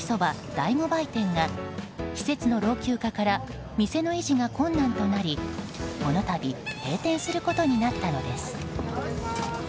第５売店が施設の老朽化から店の維持が困難となりこの度閉店することになったのです。